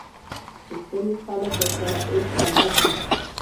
د کلي خلک ورسره اوس بلد دي.